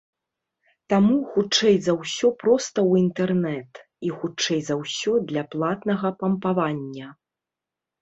Таму, хутчэй за ўсё, проста ў інтэрнэт і, хутчэй за ўсё, для платнага пампавання.